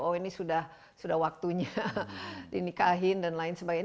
oh ini sudah waktunya dinikahin dan lain sebagainya